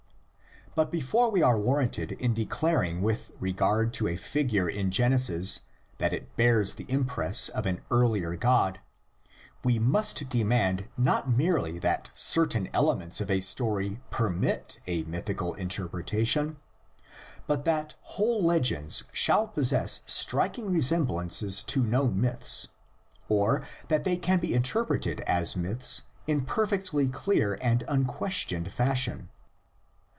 But before we are warranted in declaring with regard to a figure in Genesis that it bears the impress of an earlier god, we must demand not merely that certain elements of a story permit a mythical interpretation, but that whole legends shall possess striking resemblances to known myths, or that they can be interpreted as myths in perfectly THE LEGENDS IN ORAL TRADITION. 121 clear and unquestioned fashion.